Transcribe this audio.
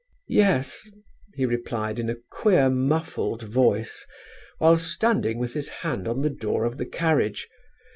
"'Yes,' he replied, in a queer muffled voice, while standing with his hand on the door of the carriage.